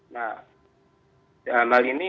nah mal ini